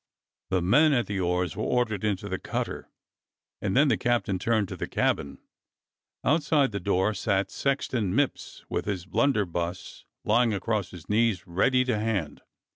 The men at the oars were ordered into the cutter, and then the captain turned to the cabin. Outside the door sat Sexton Mipps with his blunderbuss lying across his knees, ready to hand.